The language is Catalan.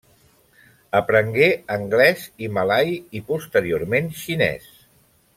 Aprengué anglès i malai i posteriorment xinès.